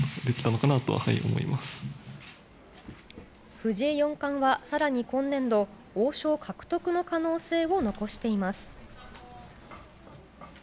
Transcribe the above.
藤井四冠はさらに今年度、王将獲得の可能性を残しています。